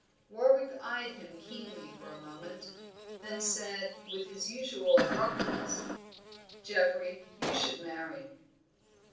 Warwick eyed him keenly for a moment, then said, with his usual abruptness "Geoffrey, you should marry."